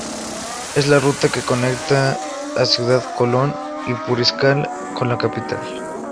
Es la ruta que conecta a Ciudad Colón y Puriscal con la capital.